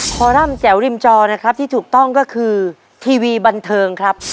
คอรัมป์แจ๋วริมจอนะครับที่ถูกต้องก็คือทีวีบันเทิงครับ